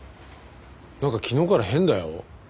なんか昨日から変だよ。